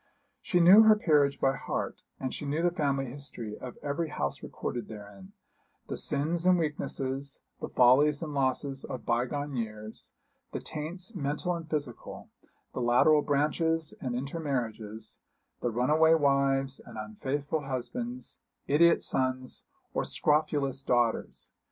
She knew her peerage by heart, and she knew the family history of every house recorded therein; the sins and weaknesses, the follies and losses of bygone years; the taints, mental and physical; the lateral branches and intermarriages; the runaway wives and unfaithful husbands; idiot sons or scrofulous daughters.